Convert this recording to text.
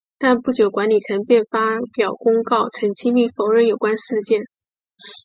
但不久管理层便发表公告澄清并否认有关事件。